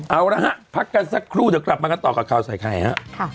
เอาละฮะพักกันสักครู่เดี๋ยวกลับมากันต่อกับข่าวใส่ไข่ฮะ